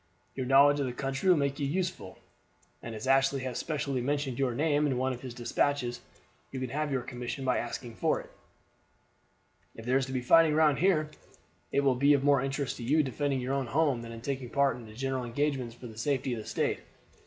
Your knowledge of the country will make you useful, and as Ashley has specially mentioned your name in one of his despatches, you can have your commission by asking for it. "If there is to be fighting round here, it will be of more interest to you defending your own home than in taking part in general engagements for the safety of the State.